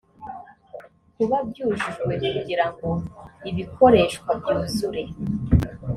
kuba byujujwe kugira ngo ibikoreshwa byuzure